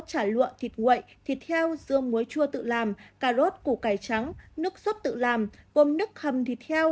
chả lụa thịt quậy thịt heo dương muối chua tự làm cà rốt củ cải trắng nước xốp tự làm gồm nước hầm thịt heo